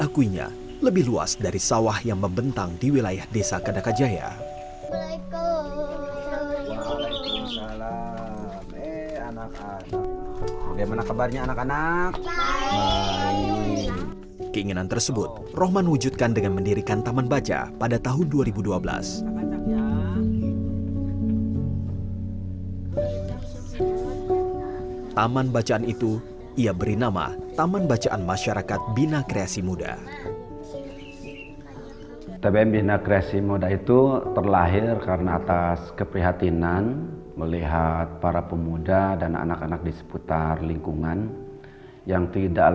kisah bintang bintang